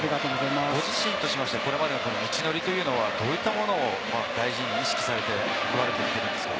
ご自身としてこれまでの道のりはどういったものを大事に意識されてきたんですか？